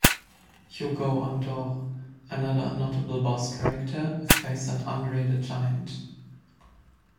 Hugo Andore, another notable boss character, is based on Andre the Giant.